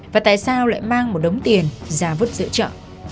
và tại sao lại mang một đống tiền ra vứt giữa chợ